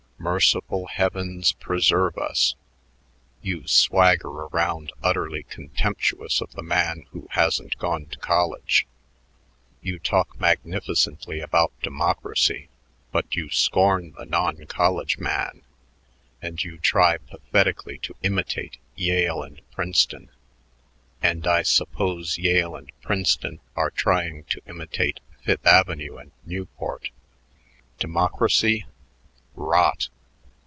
Merciful heavens preserve us! You swagger around utterly contemptuous of the man who hasn't gone to college. You talk magnificently about democracy, but you scorn the non college man and you try pathetically to imitate Yale and Princeton. And I suppose Yale and Princeton are trying to imitate Fifth Avenue and Newport. Democracy! Rot!